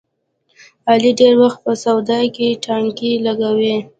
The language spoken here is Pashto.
علي ډېری وخت په سودا کې ټانګې لګوي.